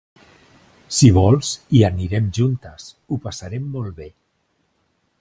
si vols, hi anem juntes, ho passarem molt be.